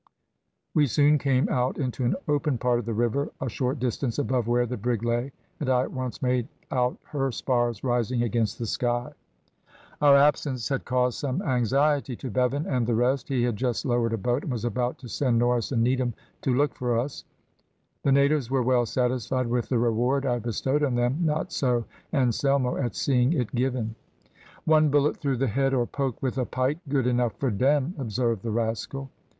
We soon came out into an open part of the river, a short distance above where the brig lay, and I at once made out her spars rising against the sky. "Our absence had caused some anxiety to Bevan and the rest. He had just lowered a boat and was about to send Norris and Needham to look for us. The natives were well satisfied with the reward I bestowed on them, not so Anselmo at seeing it given. "`One bullet through the head or poke with a pike, good enough for dem,' observed the rascal.